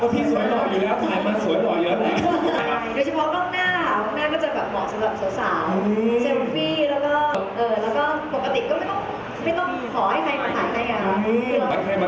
ทุกคนชอบถ่ายภาพ